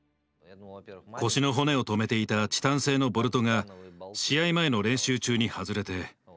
腰の骨を留めていたチタン製のボルトが試合前の練習中に外れて。